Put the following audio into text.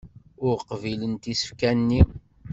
Ur qbilen isefka-nni.